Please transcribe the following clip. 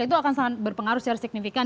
itu akan sangat berpengaruh secara signifikan